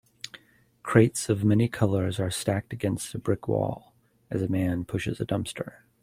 Crates of many colors are stacked against a brick wall, as a man pushes a dumpster.